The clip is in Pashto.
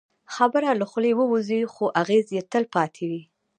خبره له خولې ووځي، خو اغېز یې تل پاتې وي.